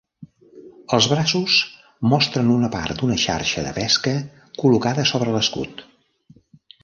Els braços mostren una part d'una xarxa de pesca col·locada sobre l'escut.